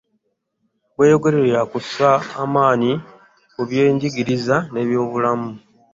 Bweyogerere yaakussa amanyi ku byenyigirizi n'ebyobulamu .